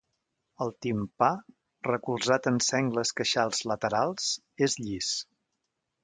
El timpà, recolzat en sengles queixals laterals, és llis.